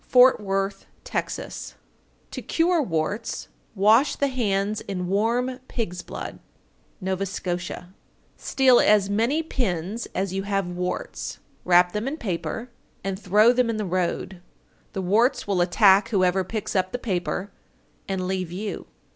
Fort Worth, Tex. 913. To cure warts, wash the hands in warm pig's blood. Nova Scotia. 914. Steal as many pins as you have warts, wrap them in paper, and throw them in the road: the warts will attack whoever picks up the paper, and leave you.